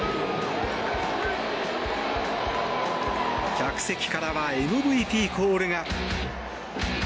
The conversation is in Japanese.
客席からはＭＶＰコールが。